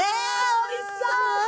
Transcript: おいしそう！